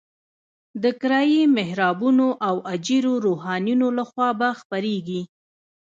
د کرایي محرابونو او اجیرو روحانیونو لخوا به خپرېږي.